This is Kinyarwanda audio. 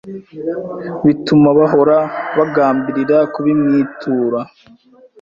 bituma bahora bagambirira kubimwitura